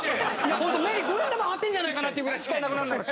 ホント目に５円玉貼ってるんじゃないかなっていうぐらい視界なくなるんだから。